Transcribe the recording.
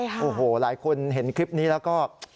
โอ้โหหลายคนเห็นคลิปนี้แล้วก็